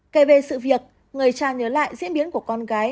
kể về sự việc người cha nhớ lại diễn biến của con gái